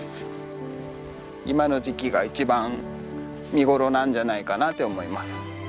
今の時期が一番見頃なんじゃないかなって思います。